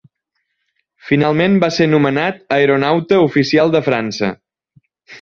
Finalment va ser nomenat Aeronauta Oficial de França.